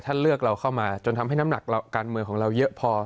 เลือกเราเข้ามาจนทำให้น้ำหนักการเมืองของเราเยอะพอ